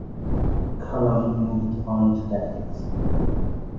Colomb moved on to tactics.